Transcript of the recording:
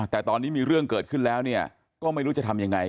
แต่ตอนนี้มีเรื่องเกิดขึ้นแล้วเนี่ยก็ไม่รู้จะทำยังไง